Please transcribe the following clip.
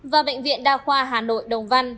và bệnh viện đa khoa hà nội đồng văn